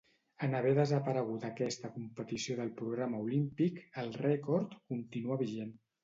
En haver desaparegut aquesta competició del programa olímpic el rècord continua vigent.